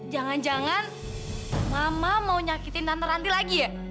jangan jangan mama mau nyakiti tante ranti lagi ya